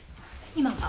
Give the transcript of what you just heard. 今は？